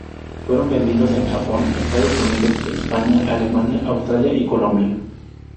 Fueron vendidos en Japón, Estados Unidos, España, Alemania, Australia y Colombia.